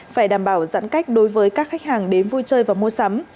phải đảm bảo giãn cách đối với các khách hàng đến vui chơi và mua sắm